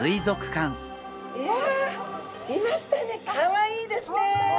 かわいいですね。